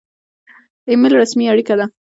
ایمیل رسمي اړیکه ده